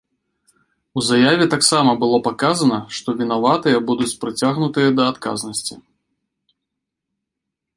У заяве таксама было паказана, што вінаватыя будуць прыцягнутыя да адказнасці.